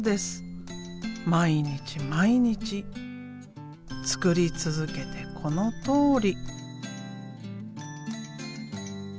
毎日毎日作り続けてこのとおり。